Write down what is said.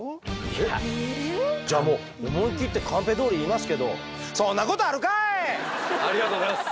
いやじゃあもう思い切ってカンペどおり言いますけどありがとうございます。